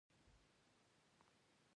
مصنوعي ځیرکتیا نوې پوهنه ده